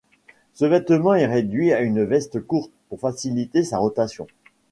Ce vêtement est réduit à une veste courte, pour faciliter sa rotation.